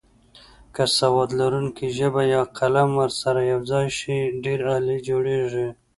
که سواد لرونکې ژبه یا قلم ورسره یوځای شي ډېر عالي جوړیږي.